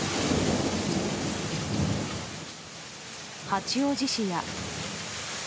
八王子市や。